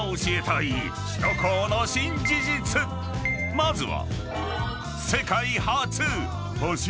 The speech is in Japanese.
［まずは］